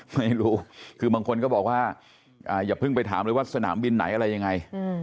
ไม่รู้คือบางคนก็บอกว่าอย่าเพิ่งไปถามเลยว่าสนามบินไหนอะไรยังไง